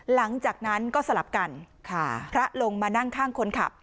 หลังจากนั้นก็สลับกันค่ะพระลงมานั่งข้างคนขับ